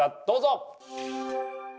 どうぞ！